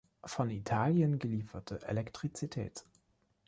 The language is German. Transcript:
Von Italien gelieferte Elektrizität.